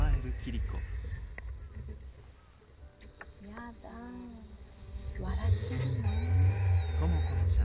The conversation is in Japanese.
やだ笑ってるの？